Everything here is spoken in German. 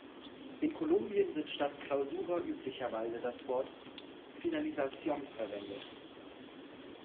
In Kolumbien wird statt Clausura üblicherweise das Wort "Finalización" verwendet.